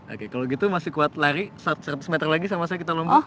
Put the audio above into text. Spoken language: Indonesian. oke kalau gitu masih kuat lari seratus meter lagi sama saya kita lombok